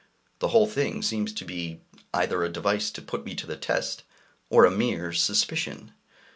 The whole thing seems to be either a device to put me to the test, or a mere suspicion.